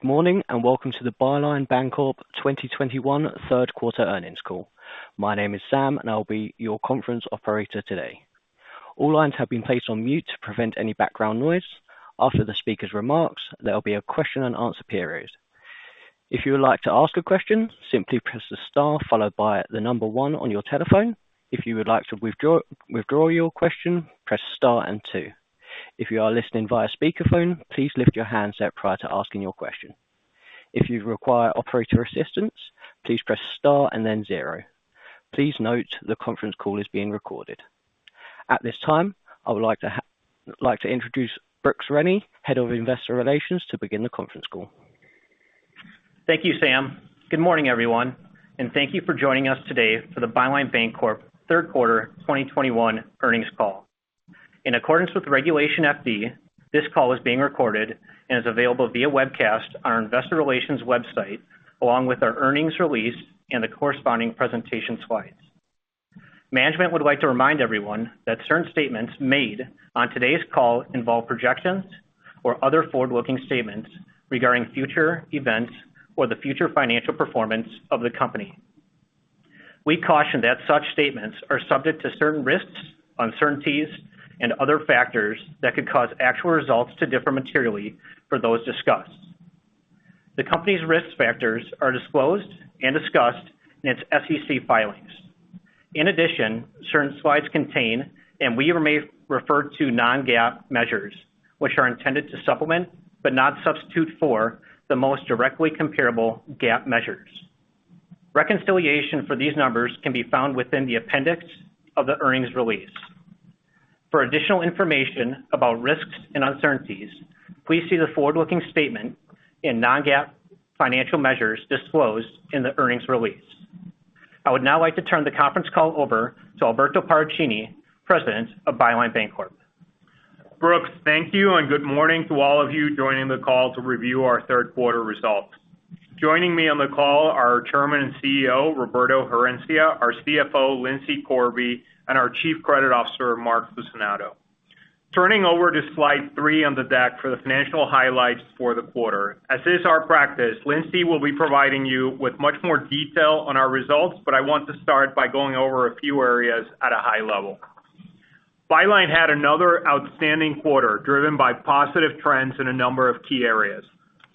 Good morning, and welcome to the Byline Bancorp 2021 third quarter earnings call. My name is Sam and I'll be your conference operator today. All lines have been placed on mute to prevent any background noise. After the speaker's remarks, there will be a question and answer period. If you would like to ask a question, simply press star followed by the number one on your telephone. If you would like to withdraw your question, press star and two. If you are listening via speakerphone, please lift your handset prior to asking your question. If you require operator assistance, please press star and then zero. Please note the conference call is being recorded. At this time, I would like to introduce Brooks Rennie, Head of Investor Relations, to begin the conference call. Thank you, Sam. Good morning, everyone, and thank you for joining us today for the Byline Bancorp third quarter 2021 earnings call. In accordance with Regulation FD, this call is being recorded and is available via webcast on our investor relations website, along with our earnings release and the corresponding presentation slides. Management would like to remind everyone that certain statements made on today's call involve projections or other forward-looking statements regarding future events or the future financial performance of the company. We caution that such statements are subject to certain risks, uncertainties, and other factors that could cause actual results to differ materially from those discussed. The company's risk factors are disclosed and discussed in its SEC filings. In addition, certain slides contain, and we may refer to non-GAAP measures, which are intended to supplement, but not substitute for, the most directly comparable GAAP measures. Reconciliation for these numbers can be found within the appendix of the earnings release. For additional information about risks and uncertainties, please see the forward-looking statement in non-GAAP financial measures disclosed in the earnings release. I would now like to turn the conference call over to Alberto Paracchini, President of Byline Bancorp. Brooks, thank you, and good morning to all of you joining the call to review our third quarter results. Joining me on the call are Chairman and CEO, Roberto Herencia, our CFO, Lindsay Corby, and our Chief Credit Officer, Mark Fucinato. Turning over to slide 3 on the deck for the financial highlights for the quarter. As is our practice, Lindsay will be providing you with much more detail on our results, but I want to start by going over a few areas at a high level. Byline had another outstanding quarter driven by positive trends in a number of key areas.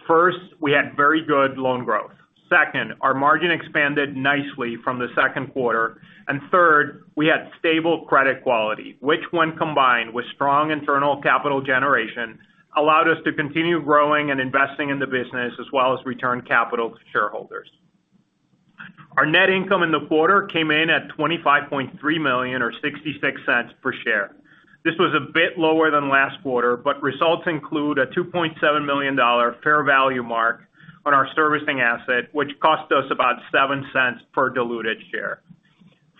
First, we had very good loan growth. Second, our margin expanded nicely from the second quarter. Third, we had stable credit quality, which when combined with strong internal capital generation, allowed us to continue growing and investing in the business as well as return capital to shareholders. Our net income in the quarter came in at $25.3 million or $0.66 per share. This was a bit lower than last quarter, but results include a $2.7 million fair value mark on our servicing asset, which cost us about $0.07 per diluted share.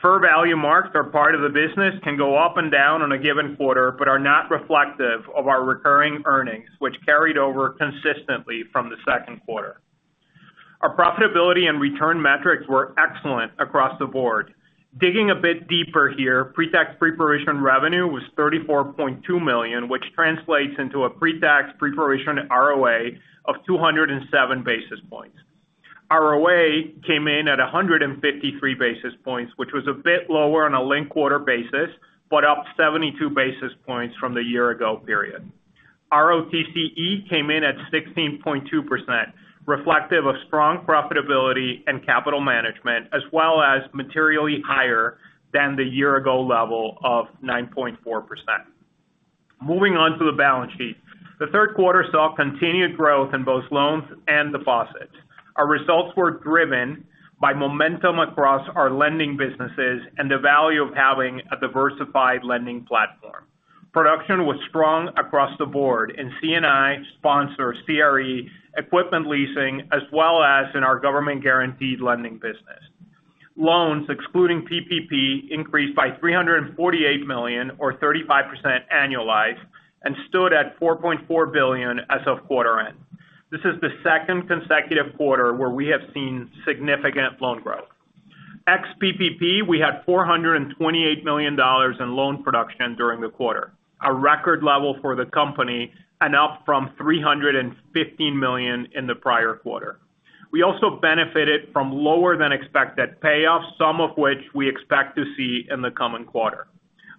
Fair value marks are part of the business can go up and down on a given quarter, but are not reflective of our recurring earnings which carried over consistently from the second quarter. Our profitability and return metrics were excellent across the board. Digging a bit deeper here, pre-tax pre-provision revenue was $34.2 million, which translates into a pre-tax pre-provision ROA of 207 basis points. ROA came in at 153 basis points, which was a bit lower on a linked quarter basis, but up 72 basis points from the year ago period. ROTCE came in at 16.2%, reflective of strong profitability and capital management, as well as materially higher than the year ago level of 9.4%. Moving on to the balance sheet. The third quarter saw continued growth in both loans and deposits. Our results were driven by momentum across our lending businesses and the value of having a diversified lending platform. Production was strong across the board in C&I, sponsors, CRE, equipment leasing, as well as in our government guaranteed lending business. Loans excluding PPP increased by $348 million or 35% annualized and stood at $4.4 billion as of quarter end. This is the second consecutive quarter where we have seen significant loan growth. Ex-PPP, we had $428 million in loan production during the quarter, a record level for the company, and up from $315 million in the prior quarter. We also benefited from lower than expected payoffs, some of which we expect to see in the coming quarter.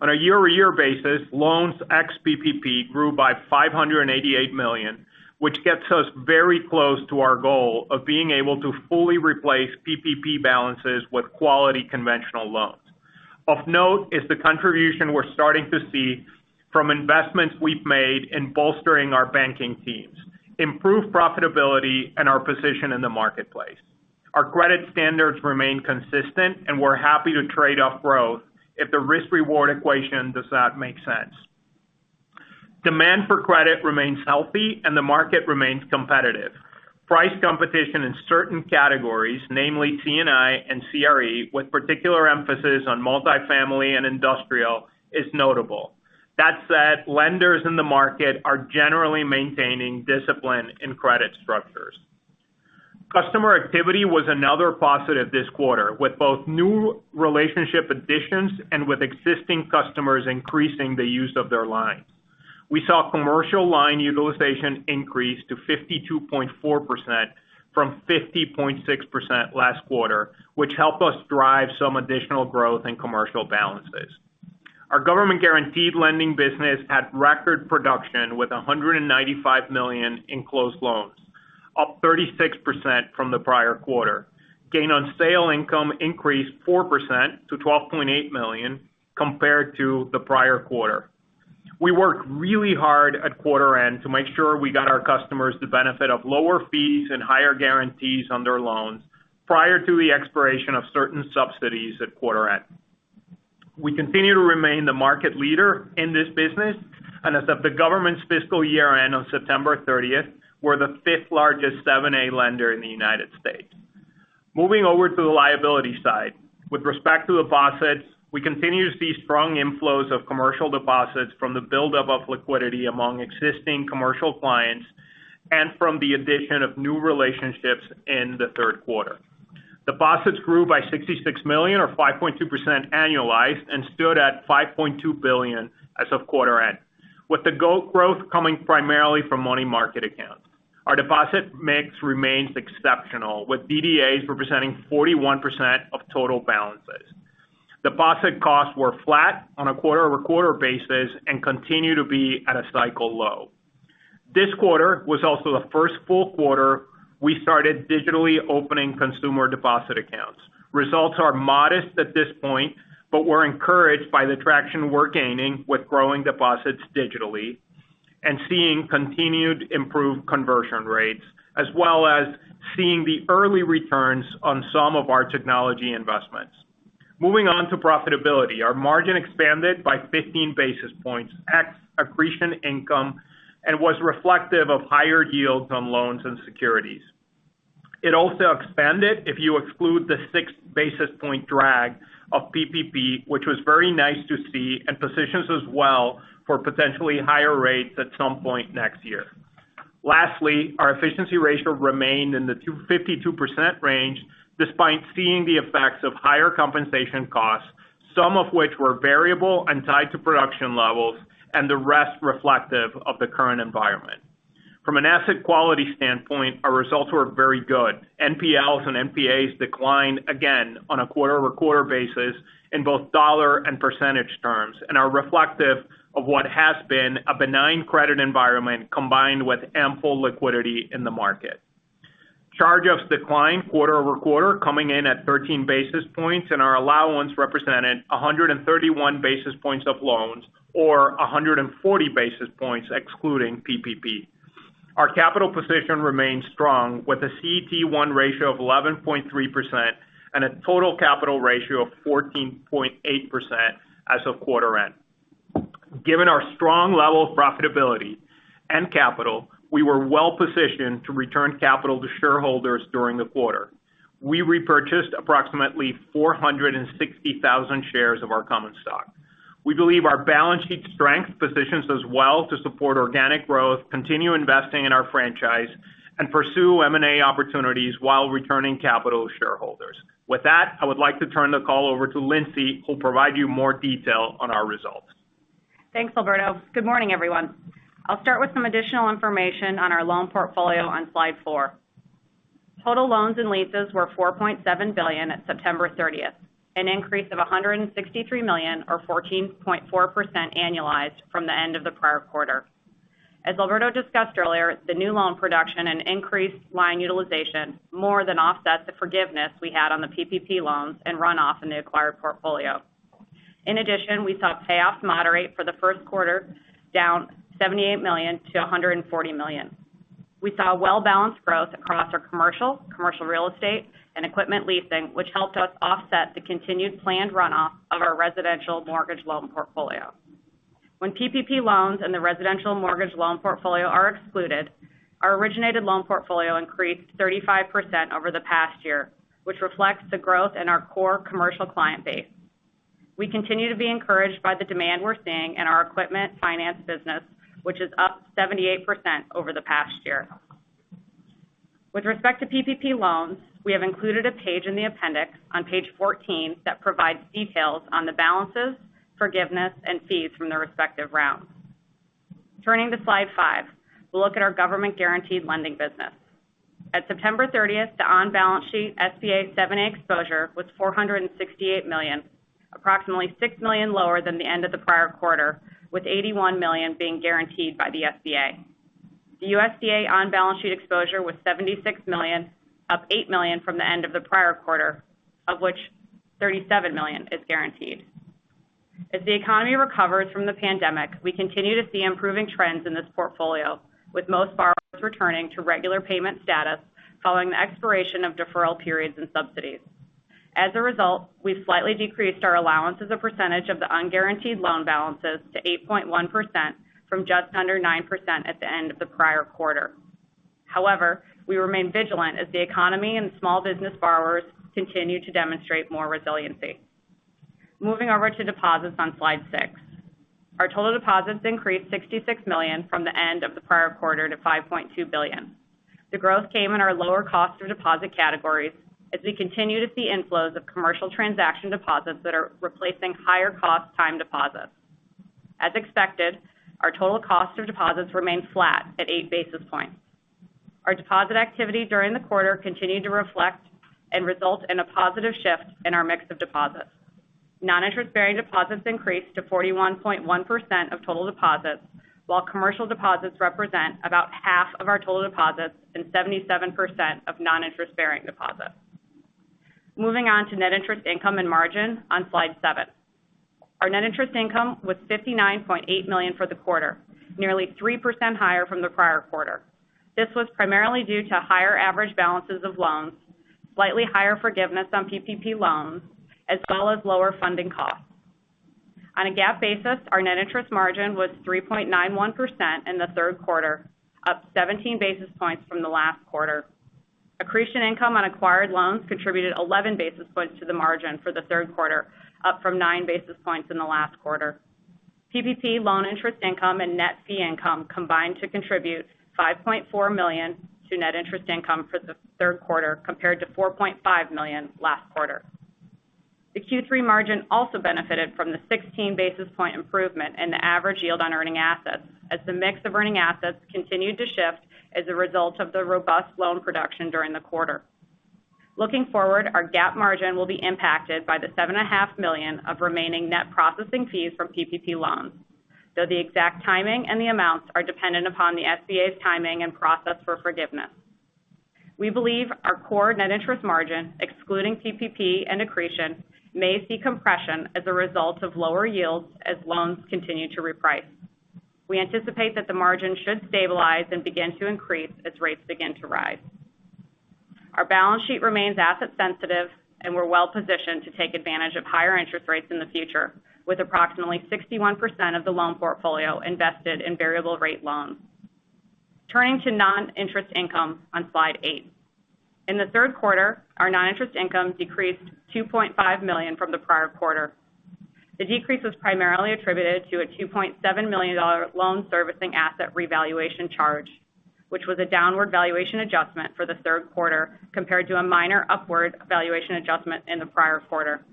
On a year-over-year basis, loans ex-PPP grew by $588 million, which gets us very close to our goal of being able to fully replace PPP balances with quality conventional loans. Of note is the contribution we're starting to see from investments we've made in bolstering our banking teams, improve profitability and our position in the marketplace. Our credit standards remain consistent and we're happy to trade off growth if the risk reward equation does not make sense. Demand for credit remains healthy and the market remains competitive. Price competition in certain categories, namely C&I and CRE, with particular emphasis on multifamily and industrial, is notable. That said, lenders in the market are generally maintaining discipline in credit structure. Customer activity was another positive this quarter, with both new relationship additions and with existing customers increasing the use of their lines. We saw commercial line utilization increase to 52.4% from 50.6% last quarter, which helped us drive some additional growth in commercial balances. Our government-guaranteed lending business had record production with $195 million in closed loans, up 36% from the prior quarter. Gain on sale income increased 4% to $12.8 million compared to the prior quarter. We worked really hard at quarter end to make sure we got our customers the benefit of lower fees and higher guarantees on their loans prior to the expiration of certain subsidies at quarter end. We continue to remain the market leader in this business. As of the government's fiscal year end on 30 September we're the fifth-largest 7(a) lender in the United States. Moving over to the liability side. With respect to deposits, we continue to see strong inflows of commercial deposits from the buildup of liquidity among existing commercial clients and from the addition of new relationships in the third quarter. Deposits grew by $66 million or 5.2% annualized and stood at $5.2 billion as of quarter end, with the growth coming primarily from money market accounts. Our deposit mix remains exceptional, with DDAs representing 41% of total balances. Deposit costs were flat on a quarter-over-quarter basis and continue to be at a cycle low. This quarter was also the first full quarter we started digitally opening consumer deposit accounts. Results are modest at this point, but we're encouraged by the traction we're gaining with growing deposits digitally and seeing continued improved conversion rates, as well as seeing the early returns on some of our technology investments. Moving on to profitability. Our margin expanded by 15 basis points ex accretion income and was reflective of higher yields on loans and securities. It also expanded if you exclude the six basis points drag of PPP, which was very nice to see and positions us well for potentially higher rates at some point next year. Lastly, our efficiency ratio remained in the 52% range despite seeing the effects of higher compensation costs, some of which were variable and tied to production levels, and the rest reflective of the current environment. From an asset quality standpoint, our results were very good. NPLs and NPAs declined again on a quarter-over-quarter basis in both dollar and percentage terms and are reflective of what has been a benign credit environment combined with ample liquidity in the market. Charge-offs declined quarter-over-quarter, coming in at 13 basis points, and our allowance represented 131 basis points of loans, or 140 basis points excluding PPP. Our capital position remains strong with a CET1 ratio of 11.3% and a total capital ratio of 14.8% as of quarter end. Given our strong level of profitability and capital, we were well-positioned to return capital to shareholders during the quarter. We repurchased approximately 460,000 shares of our common stock. We believe our balance sheet strength positions us well to support organic growth, continue investing in our franchise, and pursue M&A opportunities while returning capital to shareholders. With that, I would like to turn the call over to Lindsay, who'll provide you more detail on our results. Thanks, Alberto. Good morning, everyone. I'll start with some additional information on our loan portfolio on slide 4. Total loans and leases were $4.7 billion at 30 September an increase of $163 million or 14.4% annualized from the end of the prior quarter. As Alberto discussed earlier, the new loan production and increased line utilization more than offset the forgiveness we had on the PPP loans and runoff in the acquired portfolio. In addition, we saw payoffs moderate for the first quarter, down $78 million to $140 million. We saw well-balanced growth across our commercial real estate, and equipment leasing, which helped us offset the continued planned runoff of our residential mortgage loan portfolio. When PPP loans and the residential mortgage loan portfolio are excluded, our originated loan portfolio increased 35% over the past year, which reflects the growth in our core commercial client base. We continue to be encouraged by the demand we're seeing in our equipment finance business, which is up 78% over the past year. With respect to PPP loans, we have included a page in the appendix on page 14 that provides details on the balances, forgiveness, and fees from the respective rounds. Turning to slide 5, we'll look at our government-guaranteed lending business. At 30 September the on-balance sheet SBA 7(a) exposure was $468 million, approximately $6 million lower than the end of the prior quarter, with $81 million being guaranteed by the SBA. The USDA on-balance sheet exposure was $76 million, up $8 million from the end of the prior quarter, of which $37 million is guaranteed. As the economy recovers from the pandemic, we continue to see improving trends in this portfolio, with most borrowers returning to regular payment status following the expiration of deferral periods and subsidies. As a result, we've slightly decreased our allowance as a percentage of the unguaranteed loan balances to 8.1% from just under 9% at the end of the prior quarter. However, we remain vigilant as the economy and small business borrowers continue to demonstrate more resiliency. Moving over to deposits on slide six. Our total deposits increased $66 million from the end of the prior quarter to $5.2 billion. The growth came in our lower cost of deposit categories as we continue to see inflows of commercial transaction deposits that are replacing higher cost time deposits. As expected, our total cost of deposits remained flat at 8 basis points. Our deposit activity during the quarter continued to reflect and result in a positive shift in our mix of deposits. Non-interest-bearing deposits increased to 41.1% of total deposits, while commercial deposits represent about half of our total deposits and 77% of non-interest-bearing deposits. Moving on to net interest income and margin on slide 7. Our net interest income was $59.8 million for the quarter, nearly 3% higher from the prior quarter. This was primarily due to higher average balances of loans, slightly higher forgiveness on PPP loans, as well as lower funding costs. On a GAAP basis, our net interest margin was 3.91% in the third quarter, up 17 basis points from the last quarter. Accretion income on acquired loans contributed 11 basis points to the margin for the third quarter, up from 9 basis points in the last quarter. PPP loan interest income and net fee income combined to contribute $5.4 million to net interest income for the third quarter compared to $4.5 million last quarter. The Q3 margin also benefited from the 16 basis point improvement in the average yield on earning assets as the mix of earning assets continued to shift as a result of the robust loan production during the quarter. Looking forward, our GAAP margin will be impacted by the $7.5 million of remaining net processing fees from PPP loans, though the exact timing and the amounts are dependent upon the SBA's timing and process for forgiveness. We believe our core net interest margin, excluding PPP and accretion, may see compression as a result of lower yields as loans continue to reprice. We anticipate that the margin should stabilize and begin to increase as rates begin to rise. Our balance sheet remains asset sensitive, and we're well-positioned to take advantage of higher interest rates in the future, with approximately 61% of the loan portfolio invested in variable rate loans. Turning to non-interest income on slide eight. In the third quarter, our non-interest income decreased $2.5 million from the prior quarter. The decrease was primarily attributed to a $2.7 million loan servicing asset revaluation charge, which was a downward valuation adjustment for the third quarter compared to a minor upward valuation adjustment in the prior quarter.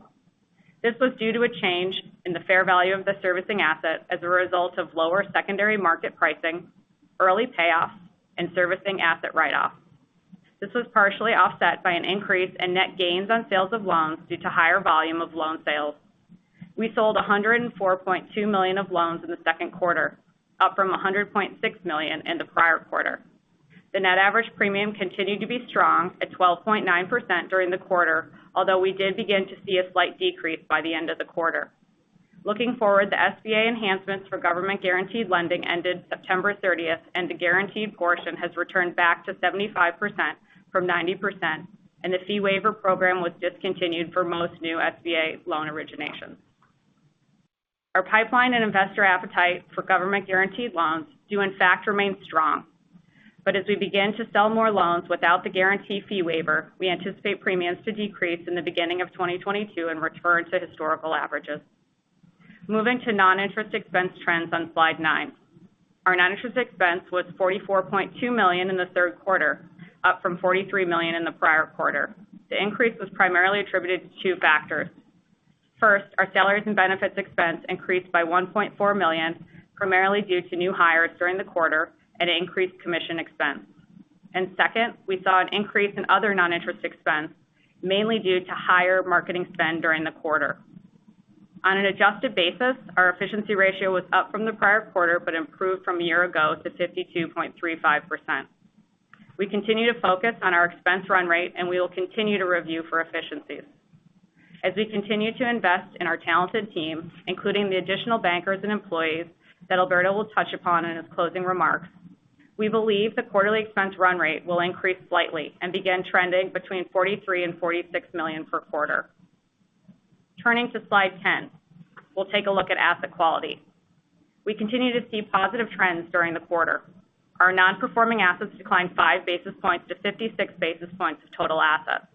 This was due to a change in the fair value of the servicing asset as a result of lower secondary market pricing, early payoffs, and servicing asset write-offs. This was partially offset by an increase in net gains on sales of loans due to higher volume of loan sales. We sold $104.2 million of loans in the second quarter, up from $100.6 million in the prior quarter. The net average premium continued to be strong at 12.9% during the quarter, although we did begin to see a slight decrease by the end of the quarter. Looking forward, the SBA enhancements for government-guaranteed lending ended 30 September and the guaranteed portion has returned back to 75% from 90%, and the fee waiver program was discontinued for most new SBA loan originations. Our pipeline and investor appetite for government-guaranteed loans do in fact remain strong. As we begin to sell more loans without the guarantee fee waiver, we anticipate premiums to decrease in the beginning of 2022 and return to historical averages. Moving to non-interest expense trends on slide 9. Our non-interest expense was $44.2 million in the third quarter, up from $43 million in the prior quarter. The increase was primarily attributed to two factors. First, our salaries and benefits expense increased by $1.4 million, primarily due to new hires during the quarter and increased commission expense. Second, we saw an increase in other non-interest expense, mainly due to higher marketing spend during the quarter. On an adjusted basis, our efficiency ratio was up from the prior quarter but improved from a year ago to 52.35%. We continue to focus on our expense run rate, and we will continue to review for efficiencies. As we continue to invest in our talented team, including the additional bankers and employees that Alberto will touch upon in his closing remarks, we believe the quarterly expense run rate will increase slightly and begin trending between $43 million and $46 million per quarter. Turning to slide 10, we'll take a look at asset quality. We continue to see positive trends during the quarter. Our non-performing assets declined five basis points to 56 basis points of total assets.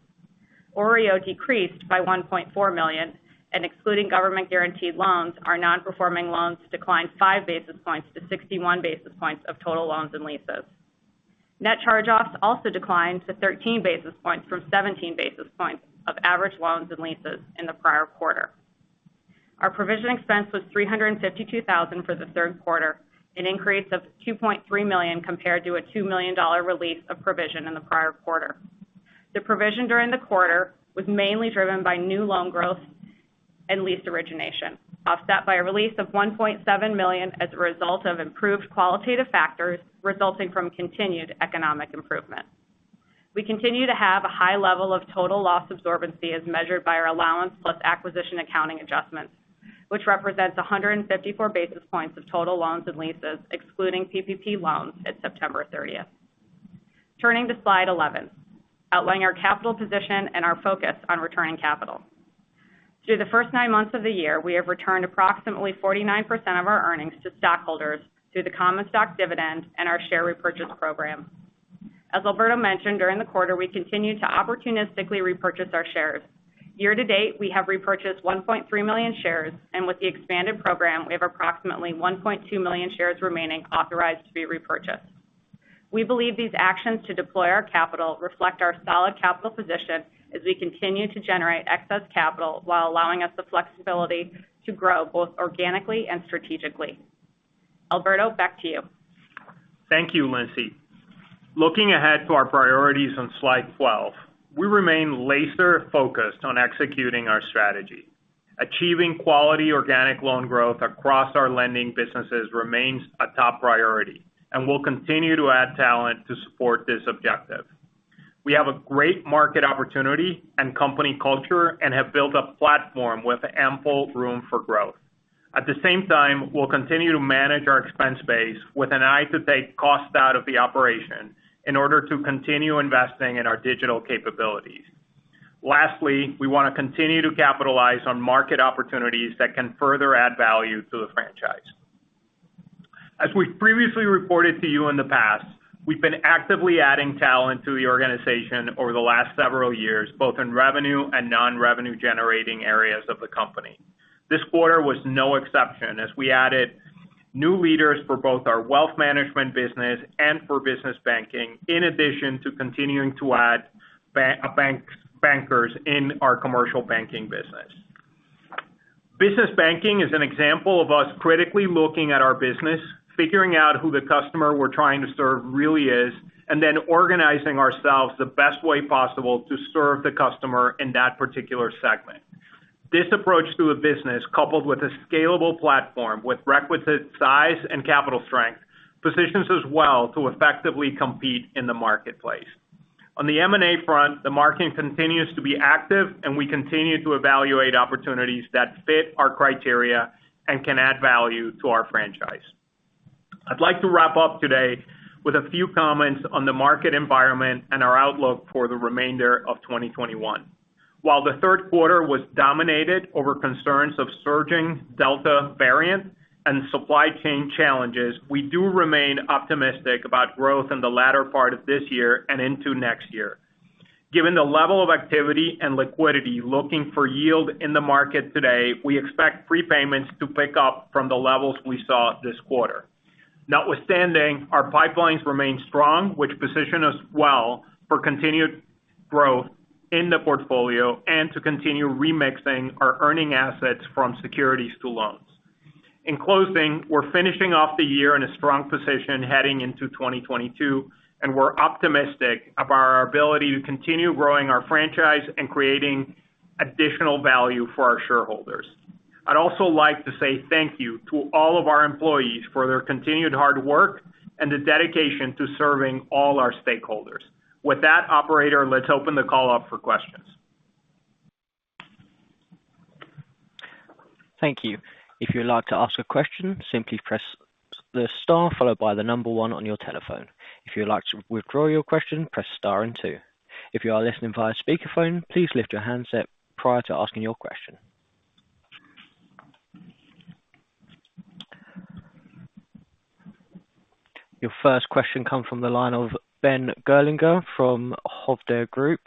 OREO decreased by $1.4 million, and excluding government-guaranteed loans, our non-performing loans declined 5 basis points to 61 basis points of total loans and leases. Net charge-offs also declined to 13 basis points from 17 basis points of average loans and leases in the prior quarter. Our provision expense was $352,000 for the third quarter, an increase of $2.3 million compared to a $2 million release of provision in the prior quarter. The provision during the quarter was mainly driven by new loan growth and lease origination, offset by a release of $1.7 million as a result of improved qualitative factors resulting from continued economic improvement. We continue to have a high level of total loss absorbency as measured by our allowance plus acquisition accounting adjustments, which represents 154 basis points of total loans and leases, excluding PPP loans at 30 September. Turning to slide 11, outlining our capital position and our focus on returning capital. Through the first 9 months of the year, we have returned approximately 49% of our earnings to stockholders through the common stock dividend and our share repurchase program. As Alberto mentioned during the quarter, we continue to opportunistically repurchase our shares. Year to date, we have repurchased 1.3 million shares, and with the expanded program, we have approximately 1.2 million shares remaining authorized to be repurchased. We believe these actions to deploy our capital reflect our solid capital position as we continue to generate excess capital while allowing us the flexibility to grow both organically and strategically. Alberto, back to you. Thank you, Lindsay. Looking ahead to our priorities on slide 12, we remain laser focused on executing our strategy. Achieving quality organic loan growth across our lending businesses remains a top priority, and we'll continue to add talent to support this objective. We have a great market opportunity and company culture and have built a platform with ample room for growth. At the same time, we'll continue to manage our expense base with an eye to take costs out of the operation in order to continue investing in our digital capabilities. Lastly, we wanna continue to capitalize on market opportunities that can further add value to the franchise. As we've previously reported to you in the past, we've been actively adding talent to the organization over the last several years, both in revenue and non-revenue generating areas of the company. This quarter was no exception, as we added new leaders for both our wealth management business and for business banking, in addition to continuing to add bankers in our commercial banking business. Business banking is an example of us critically looking at our business, figuring out who the customer we're trying to serve really is, and then organizing ourselves the best way possible to serve the customer in that particular segment. This approach to a business, coupled with a scalable platform with requisite size and capital strength, positions us well to effectively compete in the marketplace. On the M&A front, the market continues to be active and we continue to evaluate opportunities that fit our criteria and can add value to our franchise. I'd like to wrap up today with a few comments on the market environment and our outlook for the remainder of 2021. While the third quarter was dominated by concerns of surging Delta variant and supply chain challenges, we do remain optimistic about growth in the latter part of this year and into next year. Given the level of activity and liquidity looking for yield in the market today, we expect prepayments to pick up from the levels we saw this quarter. Notwithstanding, our pipelines remain strong, which position us well for continued growth in the portfolio and to continue remixing our earning assets from securities to loans. In closing, we're finishing off the year in a strong position heading into 2022, and we're optimistic about our ability to continue growing our franchise and creating additional value for our shareholders. I'd also like to say thank you to all of our employees for their continued hard work and the dedication to serving all our stakeholders. With that, operator, let's open the call up for questions. Thank you. If you'd like to ask a question, simply press the star followed by the number one on your telephone. If you'd like to withdraw your question, press star and two. If you are listening via speakerphone, please lift your handset prior to asking your question. Your first question comes from the line of Ben Gerlinger from Hovde Group.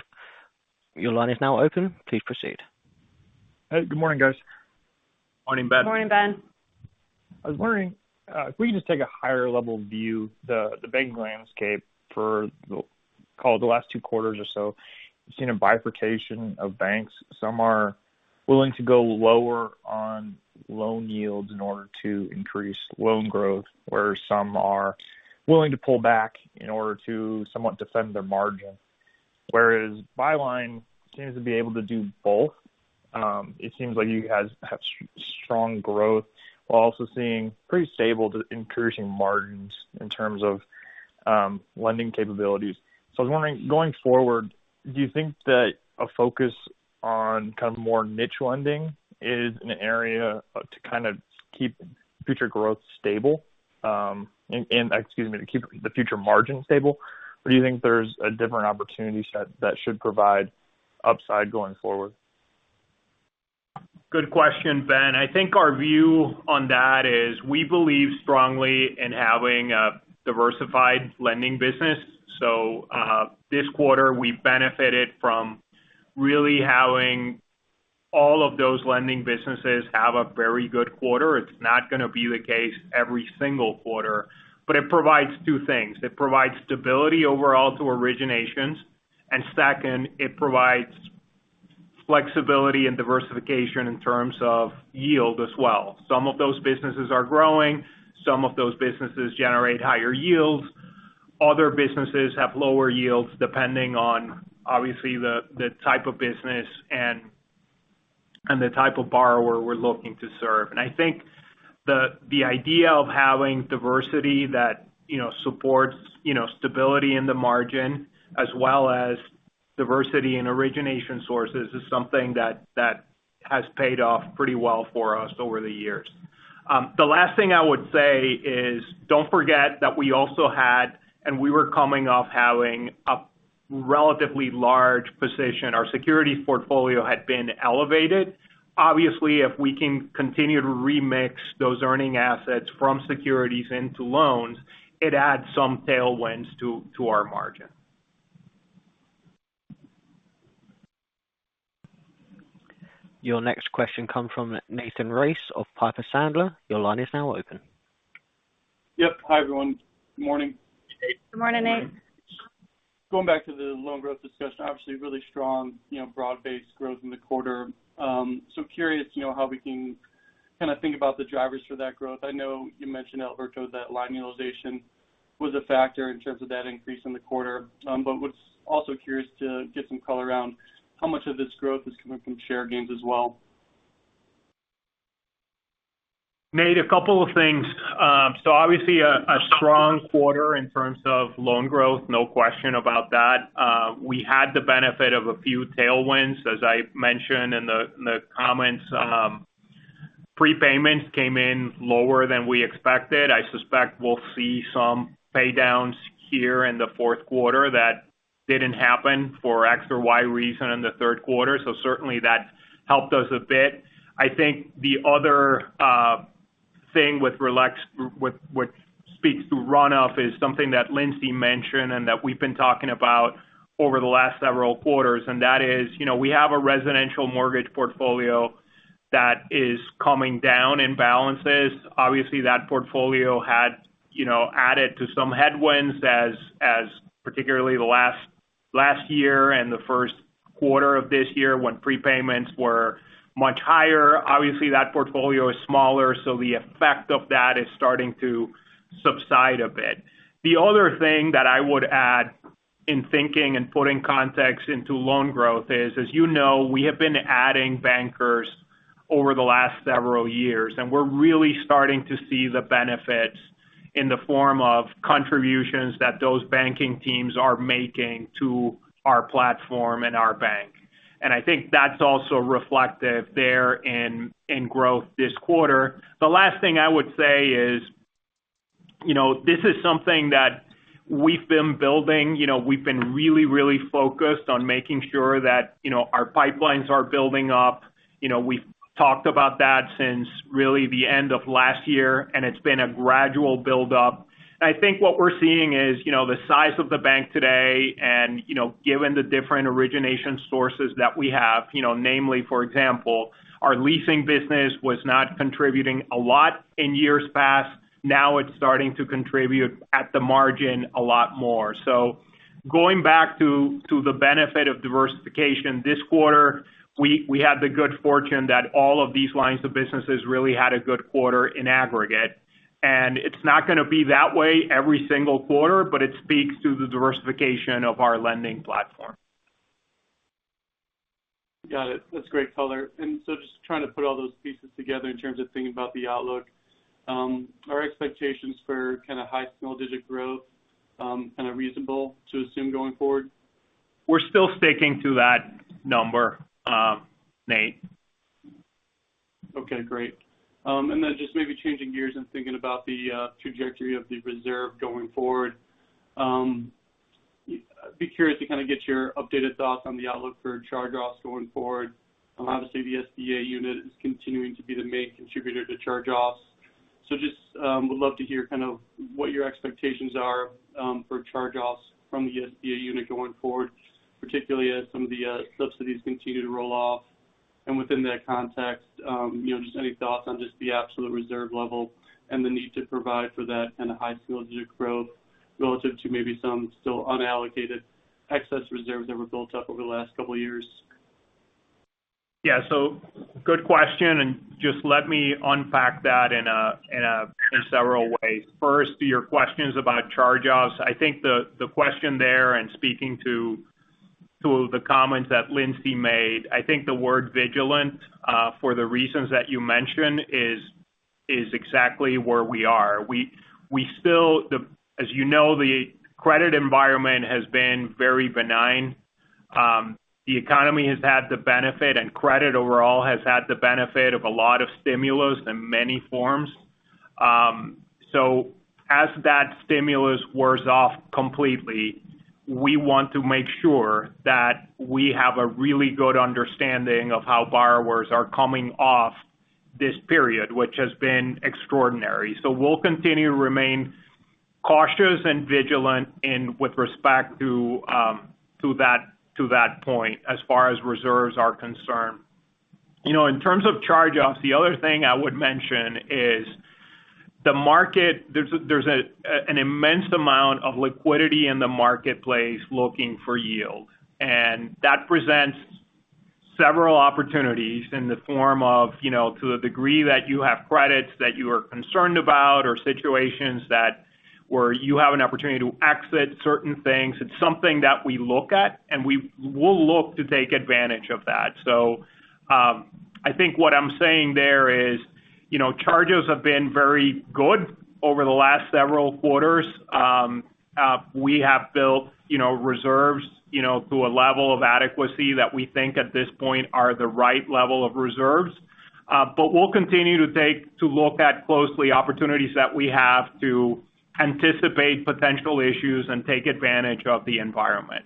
Your line is now open. Please proceed. Hey, good morning, guys. Morning, Ben. Morning, Ben. I was wondering if we can just take a higher level view of the banking landscape for the, call it, last two quarters or so. We've seen a bifurcation of banks. Some are willing to go lower on loan yields in order to increase loan growth, while some are willing to pull back in order to somewhat defend their margin. Whereas Byline seems to be able to do both. It seems like you guys have strong growth while also seeing pretty stable to increasing margins in terms of lending capabilities. I was wondering, going forward, do you think that a focus on kind of more niche lending is an area to kind of keep future growth stable? And excuse me, to keep the future margin stable? Or do you think there's a different opportunity set that should provide upside going forward? Good question, Ben. I think our view on that is we believe strongly in having a diversified lending business. This quarter, we benefited from really having all of those lending businesses have a very good quarter. It's not gonna be the case every single quarter. It provides two things. It provides stability overall to originations. Second, it provides flexibility and diversification in terms of yield as well. Some of those businesses are growing, some of those businesses generate higher yields. Other businesses have lower yields depending on obviously the type of business and the type of borrower we're looking to serve. I think the idea of having diversity that, you know, supports, you know, stability in the margin as well as diversity in origination sources is something that has paid off pretty well for us over the years. The last thing I would say is don't forget that we also had, and we were coming off having a relatively large position. Our securities portfolio had been elevated. Obviously, if we can continue to remix those earning assets from securities into loans, it adds some tailwinds to our margin. Your next question comes from Nathan Race of Piper Sandler. Your line is now open. Yep. Hi, everyone. Good morning. Good morning, Nate. Going back to the loan growth discussion, obviously really strong, you know, broad-based growth in the quarter. Curious, you know, how we can kind of think about the drivers for that growth. I know you mentioned, Alberto, that line utilization was a factor in terms of that increase in the quarter. Was also curious to get some color around how much of this growth is coming from share gains as well. Nate, a couple of things. Obviously a strong quarter in terms of loan growth, no question about that. We had the benefit of a few tailwinds, as I mentioned in the comments. Prepayments came in lower than we expected. I suspect we'll see some paydowns here in the fourth quarter that didn't happen for X or Y reason in the third quarter. Certainly that helped us a bit. I think the other thing with which speaks to run up is something that Lindsey mentioned and that we've been talking about over the last several quarters, and that is, you know, we have a residential mortgage portfolio that is coming down in balances. Obviously, that portfolio had, you know, added to some headwinds as particularly the last year and the first quarter of this year when prepayments were much higher. Obviously, that portfolio is smaller, so the effect of that is starting to subside a bit. The other thing that I would add in thinking and putting context into loan growth is, as you know, we have been adding bankers over the last several years, and we're really starting to see the benefits in the form of contributions that those banking teams are making to our platform and our bank. I think that's also reflective there in growth this quarter. The last thing I would say is, you know, this is something that we've been building. You know, we've been really, really focused on making sure that, you know, our pipelines are building up. You know, we've talked about that since really the end of last year, and it's been a gradual build-up. I think what we're seeing is, you know, the size of the bank today and, you know, given the different origination sources that we have, you know, namely, for example, our leasing business was not contributing a lot in years past. Now it's starting to contribute at the margin a lot more. Going back to the benefit of diversification this quarter, we had the good fortune that all of these lines of businesses really had a good quarter in aggregate. It's not gonna be that way every single quarter, but it speaks to the diversification of our lending platform. Got it. That's great color. Just trying to put all those pieces together in terms of thinking about the outlook, are expectations for kind of high single-digit growth, kind of reasonable to assume going forward? We're still sticking to that number, Nate. Okay, great. Then just maybe changing gears and thinking about the trajectory of the reserve going forward. I'd be curious to kind of get your updated thoughts on the outlook for charge-offs going forward. Obviously, the SBA unit is continuing to be the main contributor to charge-offs. Just would love to hear kind of what your expectations are for charge-offs from the SBA unit going forward, particularly as some of the subsidies continue to roll off. Within that context, you know, just any thoughts on just the absolute reserve level and the need to provide for that kind of high single-digit growth relative to maybe some still unallocated excess reserves that were built up over the last couple of years. Yeah. Good question, and just let me unpack that in several ways. First, to your questions about charge-offs. I think the question there and speaking to the comments that Lindsey made, I think the word vigilant for the reasons that you mentioned is exactly where we are. We still as you know, the credit environment has been very benign. The economy has had the benefit and credit overall has had the benefit of a lot of stimulus in many forms. As that stimulus wears off completely, we want to make sure that we have a really good understanding of how borrowers are coming off this period, which has been extraordinary. We'll continue to remain cautious and vigilant in with respect to that point, as far as reserves are concerned. You know, in terms of charge-offs, the other thing I would mention is the market. There's an immense amount of liquidity in the marketplace looking for yield. That presents several opportunities in the form of, you know, to the degree that you have credits that you are concerned about or situations where you have an opportunity to exit certain things. It's something that we look at, and we will look to take advantage of that. I think what I'm saying there is, you know, charges have been very good over the last several quarters. We have built, you know, reserves, you know, to a level of adequacy that we think at this point are the right level of reserves. We'll continue to look at closely opportunities that we have to anticipate potential issues and take advantage of the environment.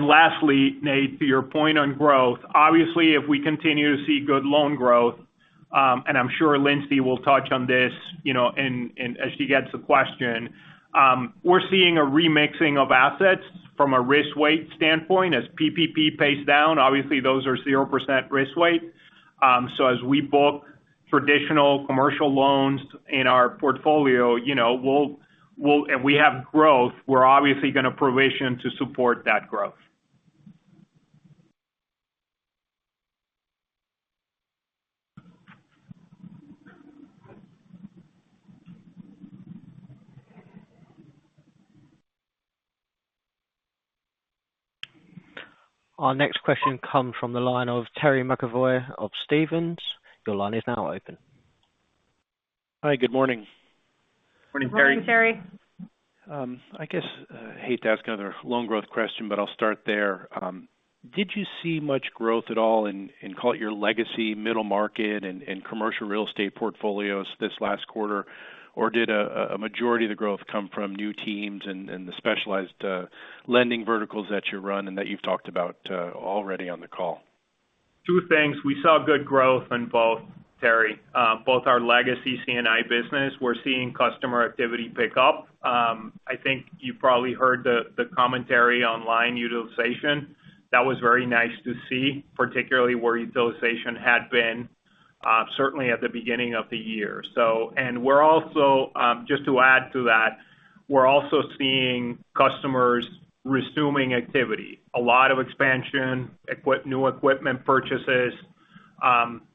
Lastly, Nate, to your point on growth, obviously, if we continue to see good loan growth, and I'm sure Lindsey will touch on this, you know, as she gets the question. We're seeing a remixing of assets from a risk weight standpoint as PPP pays down. Obviously, those are 0% risk weight. As we book traditional commercial loans in our portfolio, you know, we'll if we have growth, we're obviously gonna provision to support that growth. Our next question comes from the line of Terry McEvoy of Stephens. Your line is now open. Hi, good morning. Morning, Terry. Morning, Terry. I guess I hate to ask another loan growth question, but I'll start there. Did you see much growth at all in call it your legacy middle market and commercial real estate portfolios this last quarter? Did a majority of the growth come from new teams and the specialized lending verticals that you run and that you've talked about already on the call? Two things. We saw good growth in both, Terry. Both our legacy C&I business, we're seeing customer activity pick up. I think you probably heard the commentary on line utilization. That was very nice to see, particularly where utilization had been certainly at the beginning of the year. We're also, just to add to that, we're also seeing customers resuming activity. A lot of expansion, new equipment purchases,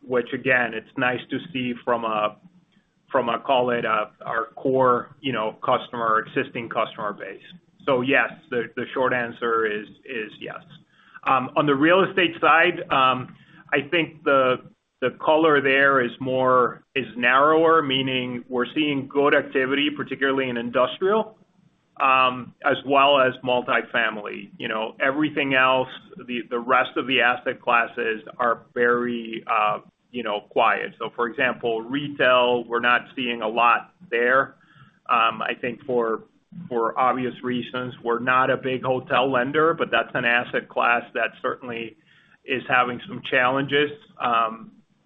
which again, it's nice to see from a, call it a, our core, you know, customer, existing customer base. Yes, the short answer is yes. On the real estate side, I think the color there is more narrow, meaning we're seeing good activity, particularly in industrial, as well as multifamily. You know, everything else, the rest of the asset classes are very quiet. For example, retail, we're not seeing a lot there. I think for obvious reasons, we're not a big hotel lender, but that's an asset class that certainly is having some challenges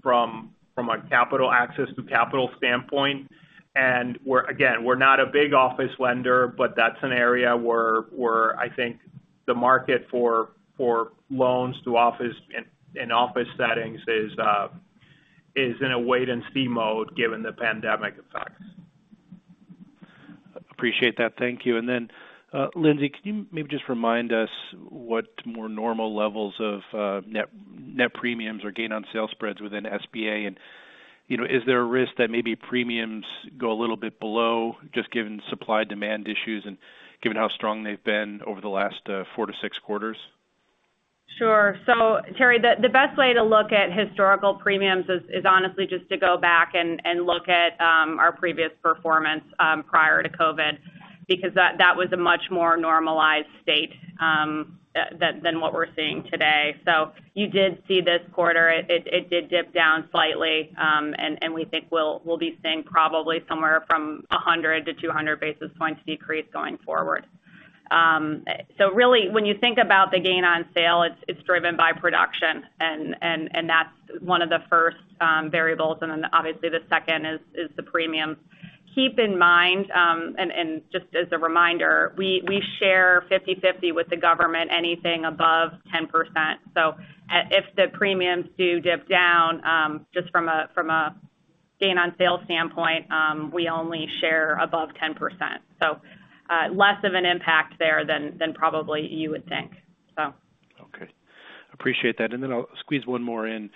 from a capital access to capital standpoint. We're again not a big office lender, but that's an area where I think the market for loans to office in office settings is in a wait-and-see mode given the pandemic effects. Appreciate that. Thank you. Lindsey, can you maybe just remind us what more normal levels of net premiums or gain on sales spreads within SBA? You know, is there a risk that maybe premiums go a little bit below just given supply-demand issues and given how strong they've been over the last 4-6 quarters? Sure. Terry, the best way to look at historical premiums is honestly just to go back and look at our previous performance prior to COVID, because that was a much more normalized state than what we're seeing today. You did see this quarter, it did dip down slightly, and we think we'll be seeing probably somewhere from 100 to 200 basis points decrease going forward. Really, when you think about the gain on sale, it's driven by production and that's one of the first variables. Then obviously the second is the premiums. Keep in mind, and just as a reminder, we share 50-50 with the government anything above 10%. If the premiums do dip down, just from a gain on sale standpoint, we only share above 10%. Less of an impact there than probably you would think. Okay. Appreciate that. I'll squeeze one more in.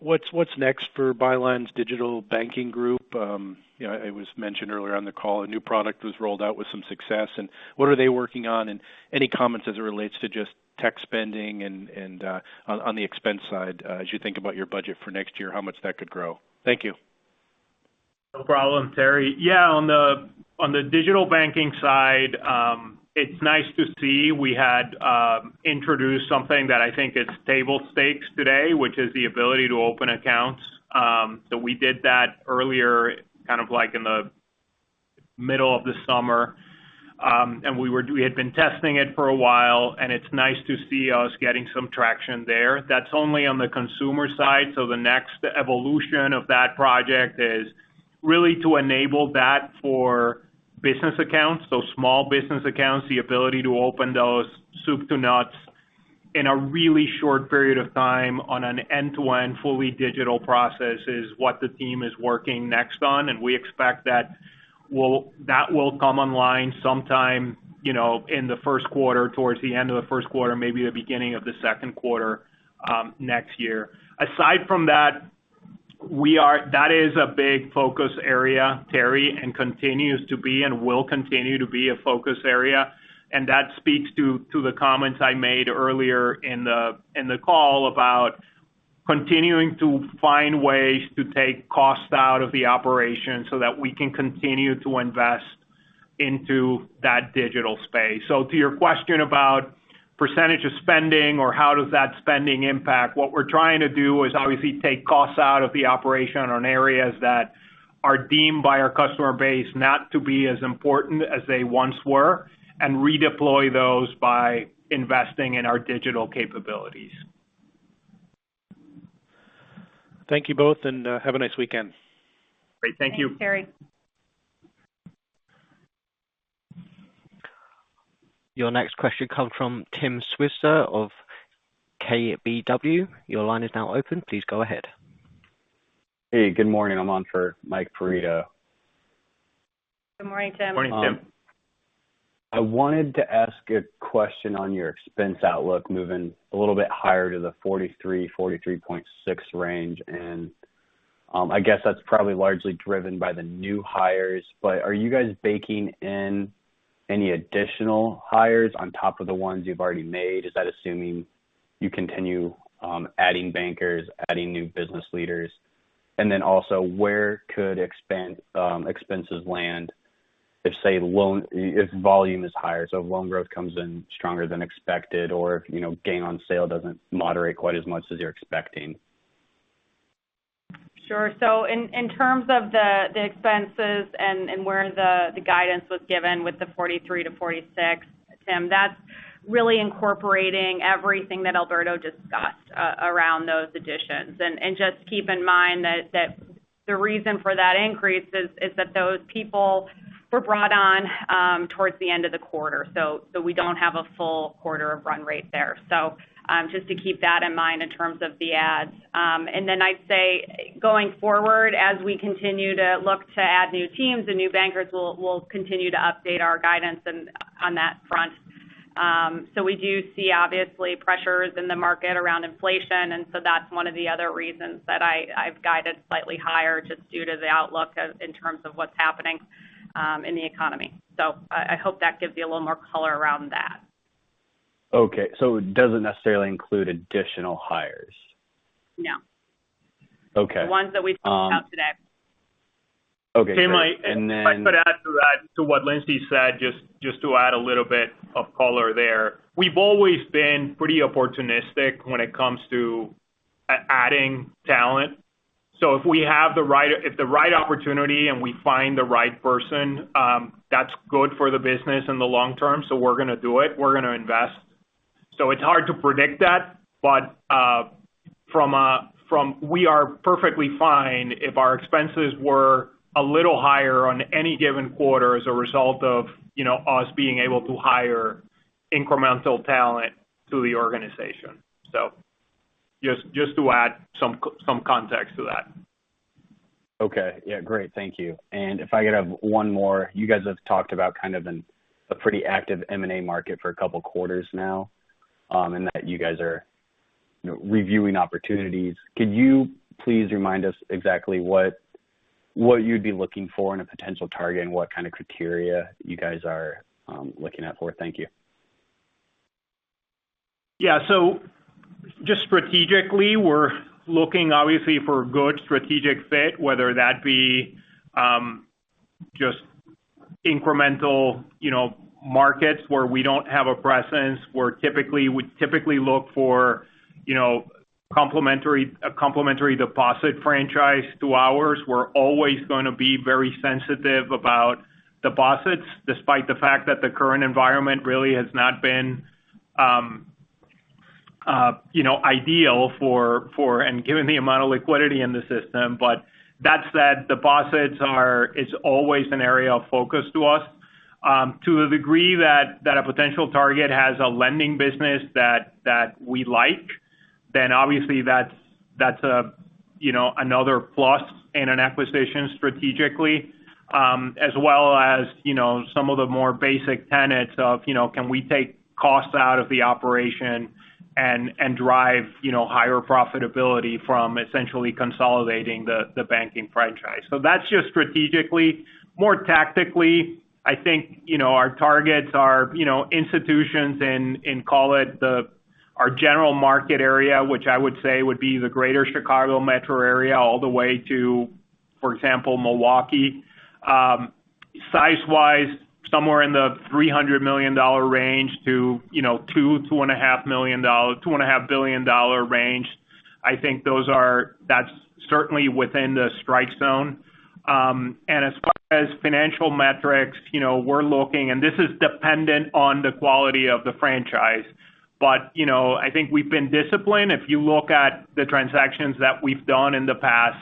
What's next for Byline's digital banking group? You know, it was mentioned earlier on the call, a new product was rolled out with some success. What are they working on? Any comments as it relates to just tech spending and on the expense side as you think about your budget for next year, how much that could grow? Thank you. No problem, Terry. Yeah, on the digital banking side, it's nice to see we had introduced something that I think is table stakes today, which is the ability to open accounts. We did that earlier, kind of like in the middle of the summer. We had been testing it for a while, and it's nice to see us getting some traction there. That's only on the consumer side. The next evolution of that project is really to enable that for business accounts. Small business accounts, the ability to open those soup to nuts in a really short period of time on an end-to-end fully digital process is what the team is working next on, and we expect that will come online sometime, you know, in the first quarter, towards the end of the first quarter, maybe the beginning of the second quarter, next year. Aside from that is a big focus area, Terry, and continues to be and will continue to be a focus area. That speaks to the comments I made earlier in the call about continuing to find ways to take costs out of the operation so that we can continue to invest into that digital space. To your question about percentage of spending or how does that spending impact, what we're trying to do is obviously take costs out of the operation on areas that are deemed by our customer base not to be as important as they once were, and redeploy those by investing in our digital capabilities. Thank you both, and have a nice weekend. Great. Thank you. Thanks, Terry. Your next question comes from Tim Switzer of KBW. Your line is now open. Please go ahead. Hey, good morning. I'm on for Mike Perito. Good morning, Tim. Morning, Tim. I wanted to ask a question on your expense outlook moving a little bit higher to the 43%-43.6% range. I guess that's probably largely driven by the new hires, but are you guys baking in any additional hires on top of the ones you've already made? Is that assuming you continue adding bankers, adding new business leaders? Where could expenses land if, say, loan volume is higher, so if loan growth comes in stronger than expected or if, you know, gain on sale doesn't moderate quite as much as you're expecting. Sure. In terms of the expenses and where the guidance was given with the 43%-46%, Tim, that's really incorporating everything that Alberto discussed around those additions. Just keep in mind that the reason for that increase is that those people were brought on towards the end of the quarter. We don't have a full quarter of run rate there. Just to keep that in mind in terms of the adds. Then I'd say going forward, as we continue to look to add new teams and new bankers, we'll continue to update our guidance and on that front. We do see obviously pressures in the market around inflation, and so that's one of the other reasons that I've guided slightly higher just due to the outlook in terms of what's happening in the economy. I hope that gives you a little more color around that. Okay. It doesn't necessarily include additional hires. No. Okay. The ones that we talked about today. Okay, great. Tim, if I could add to that, to what Lindsay said, just to add a little bit of color there. We've always been pretty opportunistic when it comes to adding talent. If we have the right opportunity and we find the right person, that's good for the business in the long term, so we're gonna do it. We're gonna invest. It's hard to predict that. We are perfectly fine if our expenses were a little higher on any given quarter as a result of, you know, us being able to hire incremental talent to the organization. Just to add some context to that. Okay. Yeah, great. Thank you. If I could have one more. You guys have talked about kind of a pretty active M&A market for a couple quarters now, and that you guys are, you know, reviewing opportunities. Could you please remind us exactly what you'd be looking for in a potential target and what kind of criteria you guys are looking out for? Thank you. Yeah. Just strategically, we're looking obviously for good strategic fit, whether that be, just incremental, you know, markets where we don't have a presence. We typically look for, you know, complementary, a complementary deposit franchise to ours. We're always gonna be very sensitive about deposits despite the fact that the current environment really has not been, you know, ideal for, and given the amount of liquidity in the system. But that said, it's always an area of focus to us. To the degree that a potential target has a lending business that we like, then obviously that's a, you know, another plus in an acquisition strategically. As well as, you know, some of the more basic tenets of, you know, can we take costs out of the operation and drive, you know, higher profitability from essentially consolidating the banking franchise. That's just strategically. More tactically, I think, you know, our targets are, you know, institutions in, call it the, our general market area, which I would say would be the Greater Chicago metro area all the way to, for example, Milwaukee. Size-wise, somewhere in the $300 million range to $2.5 billion range. That's certainly within the strike zone. As far as financial metrics, you know, we're looking, and this is dependent on the quality of the franchise, but, you know, I think we've been disciplined. If you look at the transactions that we've done in the past,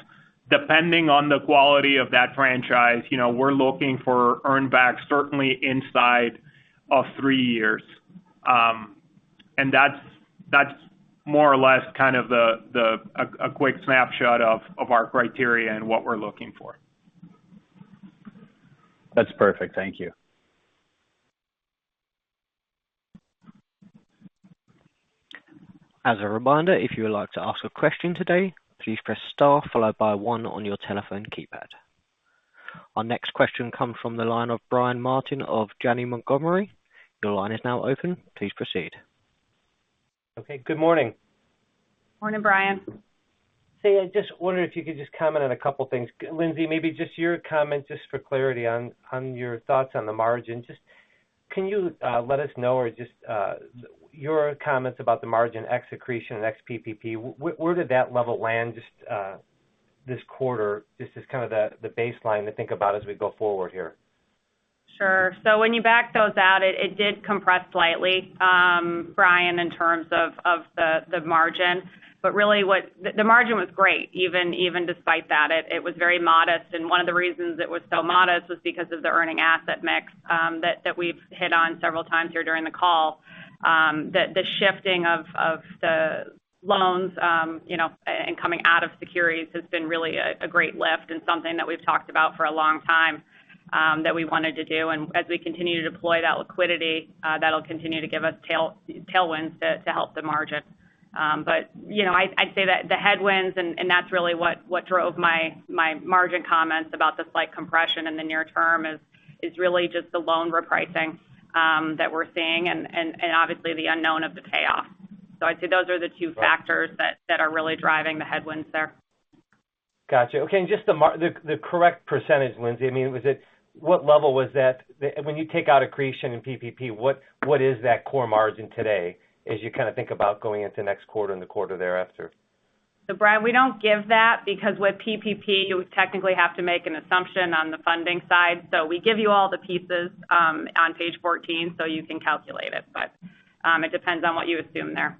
depending on the quality of that franchise, you know, we're looking for earn back certainly inside of 3 years. That's more or less kind of a quick snapshot of our criteria and what we're looking for. That's perfect. Thank you. As a reminder, if you would like to ask a question today, please press star followed by one on your telephone keypad. Our next question comes from the line of Brian Martin of Janney Montgomery Scott. Your line is now open. Please proceed. Okay. Good morning. Morning, Brian. Say, I just wonder if you could just comment on a couple of things. Lindsay, maybe just your comment just for clarity on your thoughts on the margin. Just can you let us know or just your comments about the margin ex accretion and ex PPP. Where did that level land just this quarter? Just as kind of the baseline to think about as we go forward here. Sure. When you back those out, it did compress slightly, Brian, in terms of the margin. Really, the margin was great, even despite that. It was very modest, and one of the reasons it was so modest was because of the earning asset mix that we've hit on several times here during the call, that the shifting of the loans you know and coming out of securities has been really a great lift and something that we've talked about for a long time that we wanted to do. As we continue to deploy that liquidity, that'll continue to give us tailwinds to help the margin. You know, I'd say that the headwinds and that's really what drove my margin comments about the slight compression in the near term is really just the loan repricing that we're seeing and obviously the unknown of the payoff. I'd say those are the two factors that are really driving the headwinds there. Gotcha. Okay. Just the correct percentage, Lindsay, I mean, what level was that? When you take out accretion and PPP, what is that core margin today as you kind of think about going into next quarter and the quarter thereafter? Brian, we don't give that because with PPP, you technically have to make an assumption on the funding side. We give you all the pieces, on page 14 so you can calculate it. It depends on what you assume there.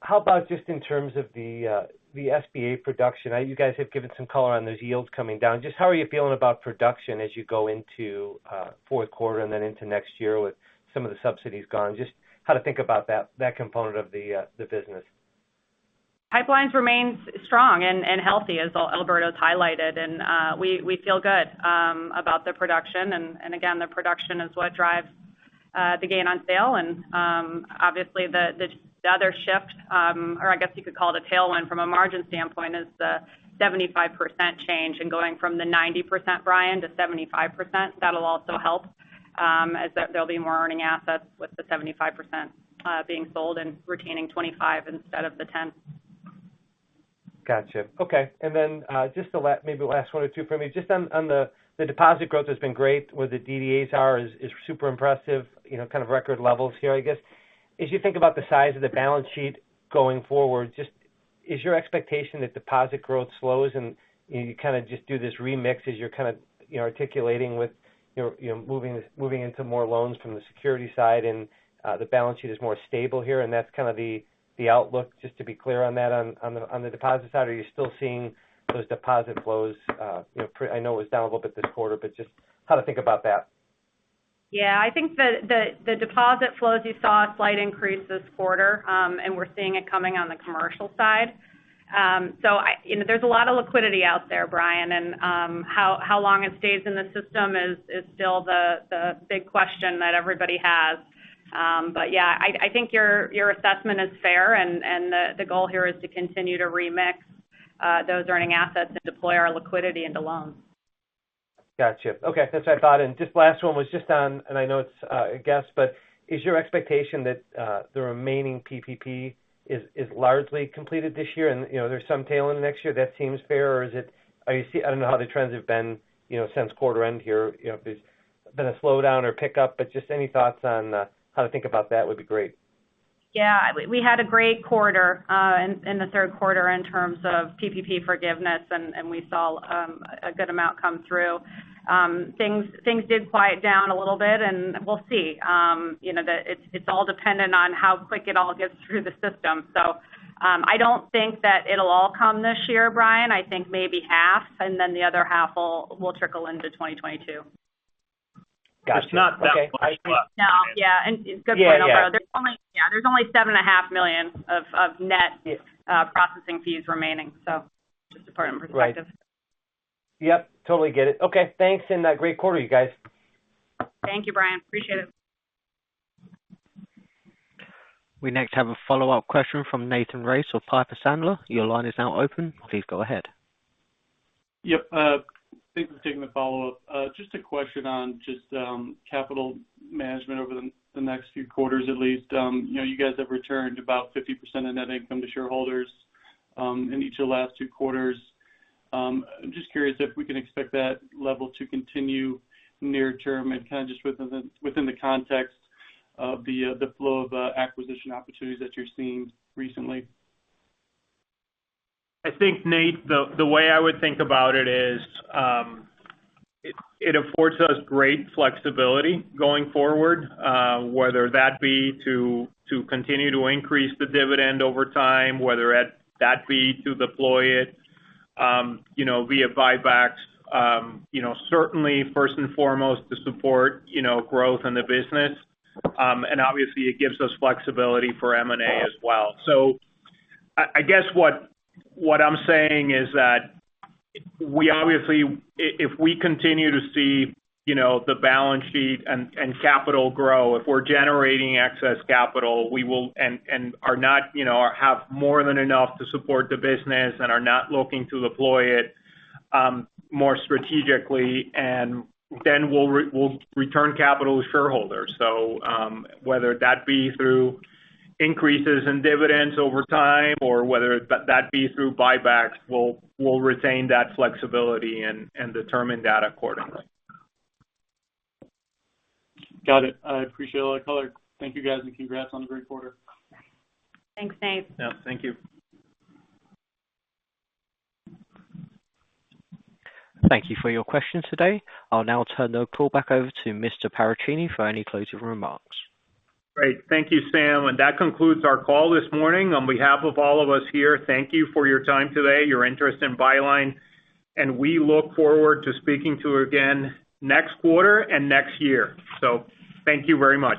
How about just in terms of the SBA production? You guys have given some color on those yields coming down. Just how are you feeling about production as you go into fourth quarter and then into next year with some of the subsidies gone? Just how to think about that component of the business. Pipeline remains strong and healthy as Alberto has highlighted. We feel good about the production. Again, the production is what drives the gain on sale. Obviously the other shift or I guess you could call it a tailwind from a margin standpoint is the 75% change and going from the 90%, Brian, to 75%. That'll also help, as there'll be more earning assets with the 75% being sold and retaining 25 instead of the 10. Gotcha. Okay. Then, just the maybe last one or two for me. Just on the deposit growth has been great. Where the DDAs are is super impressive, you know, kind of record levels here, I guess. As you think about the size of the balance sheet going forward, just is your expectation that deposit growth slows and you kind of just do this remix as you're kind of, you know, articulating with your moving into more loans from the security side and the balance sheet is more stable here and that's kind of the outlook just to be clear on that on the deposit side? Are you still seeing those deposit flows, you know, I know it was down a little bit this quarter, but just how to think about that. Yeah. I think the deposit flows you saw a slight increase this quarter, and we're seeing it coming on the commercial side. You know, there's a lot of liquidity out there, Brian, and how long it stays in the system is still the big question that everybody has. Yeah, I think your assessment is fair and the goal here is to continue to remix those earning assets and deploy our liquidity into loans. Got you. Okay. That's what I thought. Just last one was just on, and I know it's a guess, but is your expectation that the remaining PPP is largely completed this year and, you know, there's some tail in the next year that seems fair? Or I don't know how the trends have been, you know, since quarter end here, you know, if there's been a slowdown or pickup, but just any thoughts on how to think about that would be great. Yeah. We had a great quarter in the third quarter in terms of PPP forgiveness, and we saw a good amount come through. Things did quiet down a little bit, and we'll see. You know, it's all dependent on how quick it all gets through the system. I don't think that it'll all come this year, Brian. I think maybe half, and then the other half will trickle into 2022. Got you. Okay. There's not that much left. No. Yeah. Good point, Alberto. Yeah. Yeah. Yeah, there's only $7.5 million of net processing fees remaining. Just a point of perspective. Right. Yep. Totally get it. Okay. Thanks. Great quarter, you guys. Thank you, Brian. Appreciate it. We next have a follow-up question from Nathan Race of Piper Sandler. Your line is now open. Please go ahead. Yep. Thanks for taking the follow-up. Just a question on just capital management over the next few quarters at least. You know, you guys have returned about 50% of net income to shareholders in each of the last two quarters. I'm just curious if we can expect that level to continue near term and kind of just within the context of the flow of acquisition opportunities that you're seeing recently. I think, Nate, the way I would think about it is, it affords us great flexibility going forward, whether that be to continue to increase the dividend over time, whether that be to deploy it, you know, via buybacks. You know, certainly first and foremost to support, you know, growth in the business. Obviously it gives us flexibility for M&A as well. I guess what I'm saying is that we obviously if we continue to see, you know, the balance sheet and capital grow, if we're generating excess capital, we will and are not, you know, or have more than enough to support the business and are not looking to deploy it, more strategically and then we'll return capital to shareholders. Whether that be through increases in dividends over time or whether that be through buybacks, we'll retain that flexibility and determine that accordingly. Got it. I appreciate all that color. Thank you guys and congrats on a great quarter. Thanks, Nate. Yeah. Thank you. Thank you for your questions today. I'll now turn the call back over to Mr. Paracchini for any closing remarks. Great. Thank you, Sam. That concludes our call this morning. On behalf of all of us here, thank you for your time today, your interest in Byline, and we look forward to speaking to you again next quarter and next year. Thank you very much.